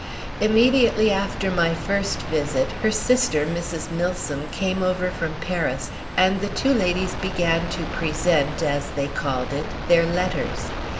Immediately after my first visit her sister, Mrs. Milsom, came over from Paris, and the two ladies began to present, as they called it, their letters.